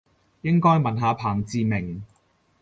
應該問下彭志銘